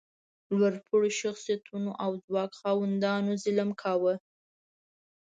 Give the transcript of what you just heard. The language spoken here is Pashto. لوړ پوړو شخصیتونو او ځواک خاوندانو ظلم کاوه.